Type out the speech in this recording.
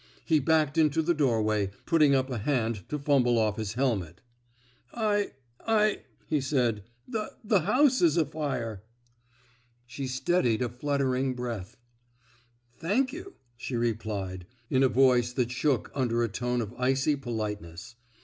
He backed into the doorway, putting up a hand to fumble off his helmet. I — 1,'^ he said. The — the house 's afire. '* She steadied a fluttering breath. Thank you,'* she replied, in a voice that shook under a tone of icy politeness.